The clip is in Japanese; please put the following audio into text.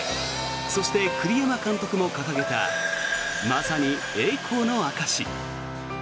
そして、栗山監督も掲げたまさに栄光の証し。